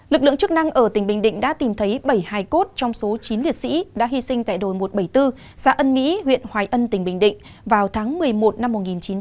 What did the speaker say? lực lượng chức năng ở tỉnh bình định đã tìm thấy bảy hài cốt trong số chín liệt sĩ đã hy sinh tại đồi một trăm bảy mươi bốn xã ân mỹ huyện hoài ân tỉnh bình định vào tháng một mươi một năm một nghìn chín trăm bảy mươi